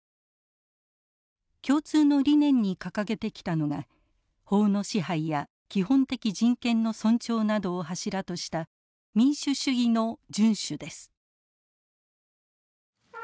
共通の理念に掲げてきたのが法の支配や基本的人権の尊重などを柱とした民主主義の順守です。